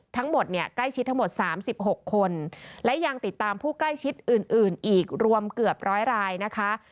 ทั้งหมดเนี่ยใกล้ชิดทั้งหมด๓๖คนและยังติดตามผู้ใกล้ชิดอื่นอีกรวมเกือบร้อยรายนะคะ